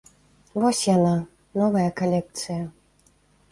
Вось яна, новая калекцыя.